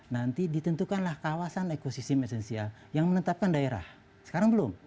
nanti ditentukanlah kawasan ekosistem esensial yang menetapkan daerah sekarang belum